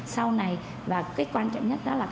sau này và cái quan trọng nhất đó là